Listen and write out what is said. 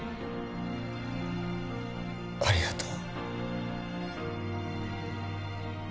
ありがとう